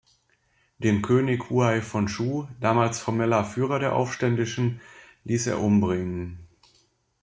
Den König Huai von Chu, damals formeller Führer der Aufständischen, ließ er umbringen.